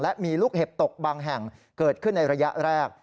และมีลูกเห็บตกบางแห่งเกิดขึ้นในระยะแรก